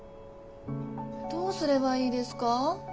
どうすれはいいですか？